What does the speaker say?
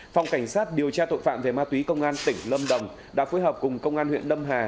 phòng cảnh sát điều tra tội phạm về ma túy công an tỉnh lâm đồng đã phối hợp cùng công an huyện lâm hà